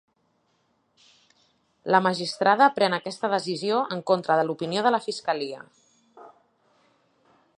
La magistrada pren aquesta decisió en contra de l’opinió de la fiscalia.